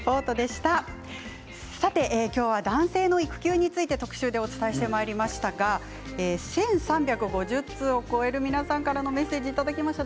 今日は男性の育休についてお伝えしてまいりましたが１３５０通を超える皆さんからのメッセージいただきました。